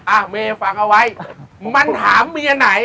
อะเมฟังเอาไว้มันถามมีอันไหน